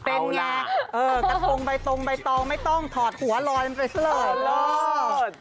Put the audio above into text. เออกระทงใบตรงใบตองไม่ต้องถอดหัวลอยมันไปเฉลิน